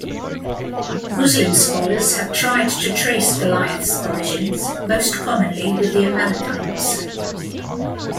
Muslim scholars have tried to trace Goliath's origins, most commonly with the Amalekites.